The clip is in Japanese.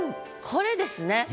これですね。